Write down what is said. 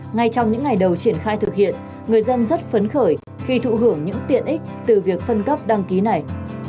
ngay trong những ngày đầu triển khai thực hiện người dân rất phấn khởi khi thụ hưởng những tiện ích từ việc phân cấp đăng ký này